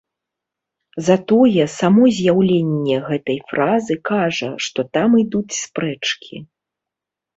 Затое само з'яўленне гэтай фразы кажа, што там ідуць спрэчкі.